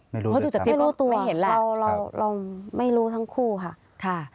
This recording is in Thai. ไม่รู้ตัวเราไม่รู้ทั้งคู่ค่ะ